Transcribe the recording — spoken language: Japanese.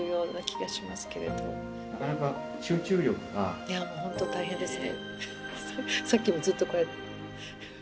いやもう本当大変ですね。